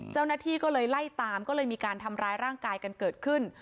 เจ้าหน้าที่ก็เลยไล่ตามก็เลยมีการทำร้ายร่างกายกันเกิดขึ้น